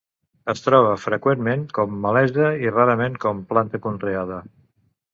Es troba freqüentment com malesa i rarament com planta conreada.